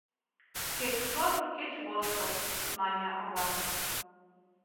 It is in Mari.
«Кеч шорт, кеч воштыл!» мане ава.